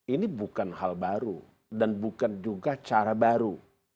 ini bukan hal baru dan bukan juga cara baru